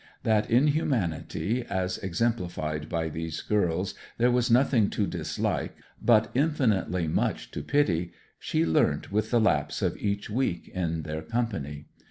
That in humanity, as exemplified by these girls, there was nothing to dislike, but infinitely much to pity, she learnt with the lapse of each week in their company.